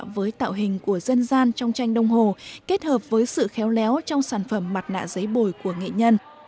với tạo hình của dân gian trong tranh đông hồ kết hợp với sự khéo léo trong sản phẩm mặt nạ giấy bồi của nghệ nhân